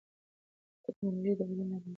ټیکنالوژي د بدلون لامل ګرځي.